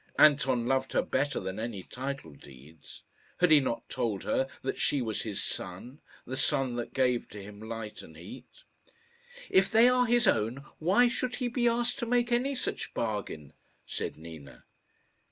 Anton loved her better than any title deeds. Had he not told her that she was his sun the sun that gave to him light and heat? "If they are his own, why should he be asked to make any such bargain?" said Nina.